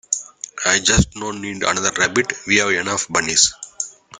I just don't need another rabbit. We have enough bunnies.